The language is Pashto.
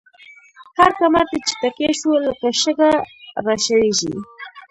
هر کمر ته چی تکيه شو، لکه شګه را شړيږی